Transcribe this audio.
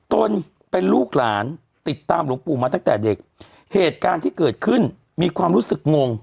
ตนเป็นลูกหลานติดตามหลวงปู่มาตั้งแต่เด็กเหตุการณ์ที่เกิดขึ้นมีความรู้สึกงง